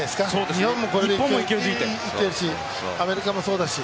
日本もこれでいってるしアメリカもそうだし。